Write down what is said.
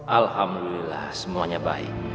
alhamdulillah semuanya baik